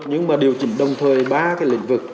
nhưng mà điều chỉnh đồng thời ba cái lĩnh vực